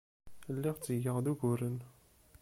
Lliɣ ttgeɣ-d uguren.